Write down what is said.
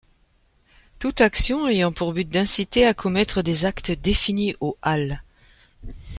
Toute action ayant pour but d'inciter à commettre des actes définis aux al.